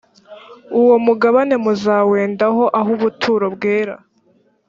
uwo mugabane muzawendaho ah ubuturo bwera